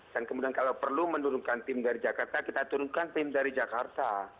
dan kemudian kalau perlu menurunkan tim dari jakarta kita turunkan tim dari jakarta